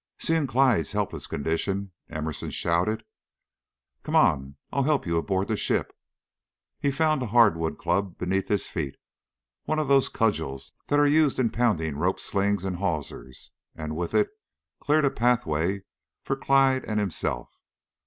Seeing Clyde's helpless condition, Emerson shouted: "Come on! I'll help you aboard the ship." He found a hardwood club beneath his feet one of those cudgels that are used in pounding rope slings and hawsers and with it cleared a pathway for Clyde and himself.